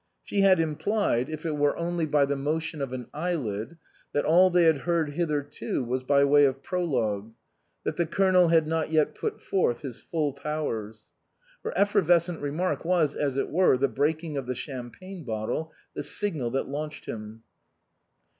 She had implied, if it were 18 INLAND only by the motion of an eyelid, that all they had heard hitherto was by way of prologue ; that the Colonel had not yet put forth his full powers. Her effervescent remark was, as it were, the breaking of the champagne bottle, the signal that launched him.